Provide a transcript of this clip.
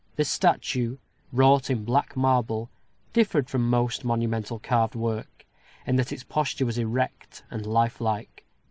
This statue, wrought in black marble, differed from most monumental carved work, in that its posture was erect and lifelike.